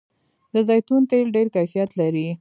د زیتون تېل ډیر کیفیت لري.